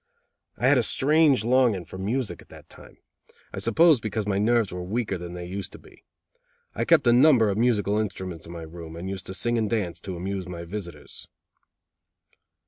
I had a strange longing for music at that time; I suppose because my nerves were weaker than they used to be. I kept a number of musical instruments in my room, and used to sing and dance to amuse my visitors.